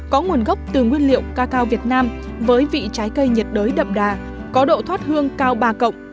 có nguồn gốc từ nguyên liệu cacao việt nam với vị trái cây nhiệt đới đậm đà có độ thoát hương cao ba